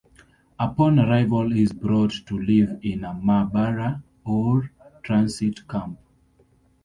Upon arrival he is brought to live in a "ma'abara", or transit camp.